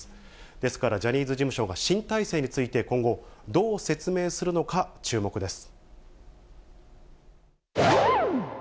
ですから、ジャニーズ事務所が新体制について今後、どう説明するのか、注目です。